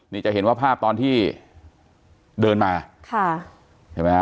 นี่จะเห็นว่าภาพตอนที่เดินมาค่ะเห็นไหมฮะ